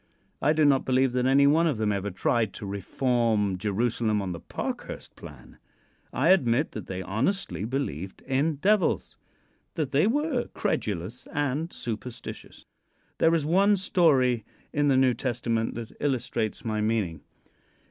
I do not believe that any one of them ever tried to reform Jerusalem on the Parkhurst plan. I admit that they honestly believed in devils that they were credulous and superstitious. There is one story in the New Testament that illustrates my meaning.